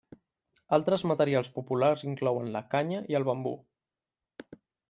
Altres materials populars inclouen la canya i el bambú.